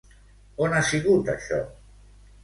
On ha sigut això?